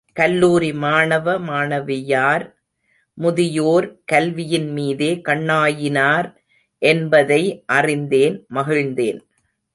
கல்லூரி மாணவ மாணவியார் முதியோர் கல்வியின் மீதே கண்ணாயினார் என்பதை அறிந்தேன், மகிழ்ந்தேன்.